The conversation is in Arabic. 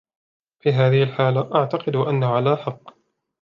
في هذه الحالة ، أعتقد أنه على حق.